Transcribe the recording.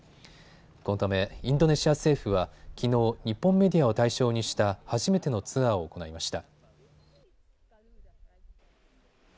このためインドネシア政府はきのう日本メディアを対象にした初めてのツアーを行いました。